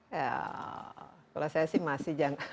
ya kalau saya sih masih jangan